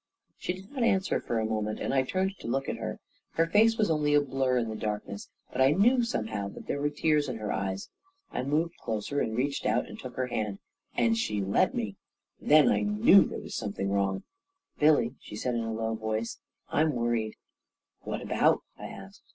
" She did not answer for a moment, and I turned and looked at her. Her face was only a blur in the darkness ; but I knew somehow that there were tears in her eyes. I moved closer, and reached out and took her hand — and she let me I Then I knew there was something wrong! " Billy," she said in a low voice, " I'm worried." "What about?" I asked.